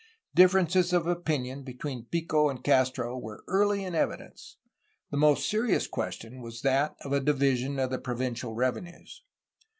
Differences of opinion between Pico and Castro were early in evidence. The most serious question was that of a division of the provincial revenues.